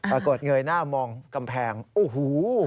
เงยหน้ามองกำแพงโอ้โห